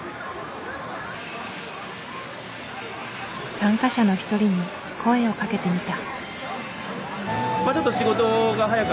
参加者の一人に声をかけてみた。